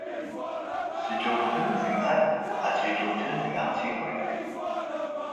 Зы дохутырым жиӏэр, адрей дохутырым жиӏэм техуэркъым.